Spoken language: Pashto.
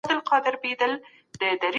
د قانون حاکمیت وستایل شو.